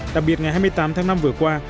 đặc biệt ngày hai mươi tám tháng năm vừa qua